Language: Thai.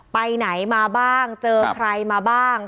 ไปไหนมาบ้างเจอใครมาบ้าง